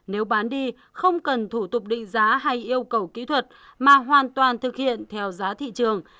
nếu bán đi không cần thủ tục định giá hay yêu cầu kỹ thuật mà hoàn toàn thực hiện theo giá thị trường